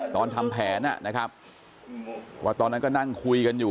ตอนทำแผนนะครับว่าตอนนั้นก็นั่งคุยกันอยู่